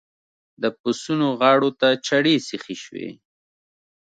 د پسونو غاړو ته چړې سيخې شوې.